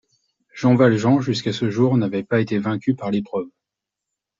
Jean Valjean jusqu’à ce jour n’avait pas été vaincu par l’épreuve.